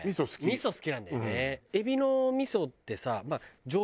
味噌好きなんだよね。